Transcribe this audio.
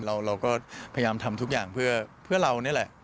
เราก็พยายามทำทุกอย่างเพื่อเรานี่แหละ